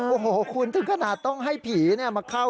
โอ้โหคุณถึงขนาดต้องให้ผีมาเข้า